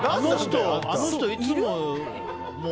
あの人いつも。